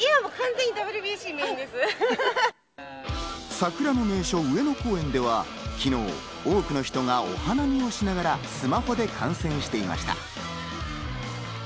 桜の名所・上野公園では、昨日、多くの人がお花見をしながら、スマホで観戦していました。